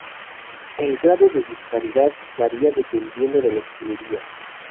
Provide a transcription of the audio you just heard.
El grado de disparidad varía dependiendo de la ingeniería.